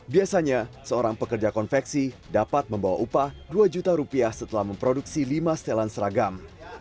biasanya seorang pekerja konveksi dapat membawa upah dua juta rupiah setelah memproduksi lima setelan seragam